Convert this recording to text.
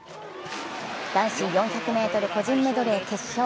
男子４００ｍ個人メドレー決勝。